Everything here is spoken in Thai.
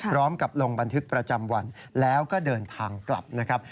ลงบันทึกประจำวันแล้วก็เดินทางกลับนะครับ